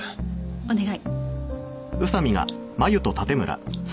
お願い。